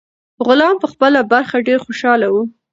غلام په خپله برخه ډیر خوشاله و.